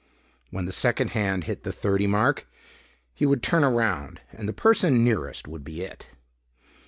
When the second hand hit the "30" mark, he would turn around and the person nearest would be It.